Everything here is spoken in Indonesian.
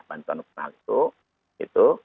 bantuan operasional itu